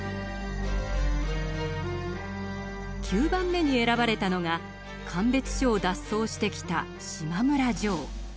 ９番目に選ばれたのが鑑別所を脱走してきた島村ジョー。